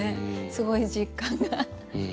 すごい実感が。